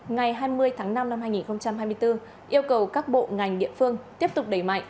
ngày hai mươi tháng năm năm hai nghìn hai mươi bốn yêu cầu các bộ ngành địa phương tiếp tục đẩy mạnh